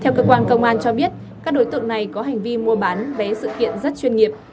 theo cơ quan công an cho biết các đối tượng này có hành vi mua bán vé sự kiện rất chuyên nghiệp